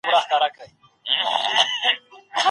هغوی د ټولنې د هوسا کولو هڅه کوي.